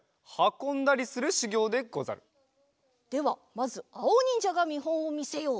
ではまずあおにんじゃがみほんをみせよう。